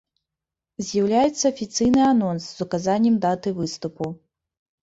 З'яўляецца афіцыйны анонс з указаннем даты выступу.